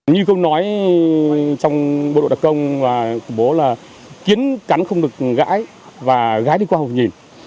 như không nói trong bộ đội đặc công và khủng bố là kiến cắn không được gãi và gãi đi qua hồ nhìn